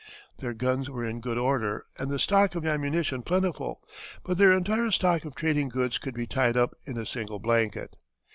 Their guns were in good order and the stock of ammunition plentiful, but their entire stock of trading goods could be tied up in a single blanket.